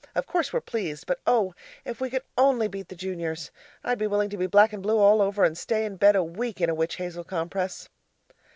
Of course we're pleased but oh, if we could only beat the juniors! I'd be willing to be black and blue all over and stay in bed a week in a witch hazel compress.